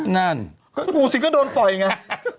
งูศิงง์ก็โดนปล่อยไง